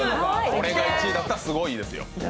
これが１位だったらすごいですよ。